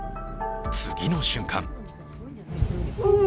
次の瞬間